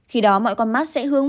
khi đó mọi con mắt sẽ hướng